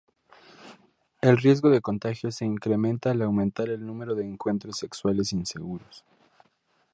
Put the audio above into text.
El riesgo de contagio se incrementa al aumentar el número de encuentros sexuales inseguros.